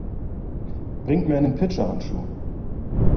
Bringt mir einen Pitcher-Handschuh!